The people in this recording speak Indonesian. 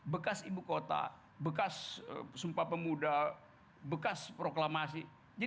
bekas ibukota bekas sumpah pemuda bekas proklamasi